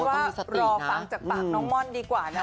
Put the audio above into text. ต้องมีสติดนะอืมคือว่ารอฟังจากปากน้องม่อนดีกว่านะ